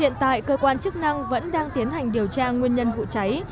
hiện tại cơ quan chức năng vẫn đang tiến hành điều tra nguyên nhân vụ cháy